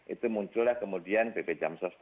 itu muncullah kemudian bpjs